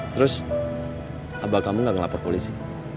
terus abah kamu gak lapor polisi